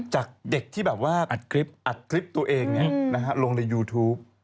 จากเด็กที่อัดคลิปตัวเองลงในยูทูป